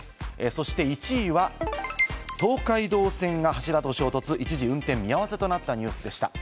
そして１位は、東海道線が柱と衝突、一時運転見合わせとなったニュースでした。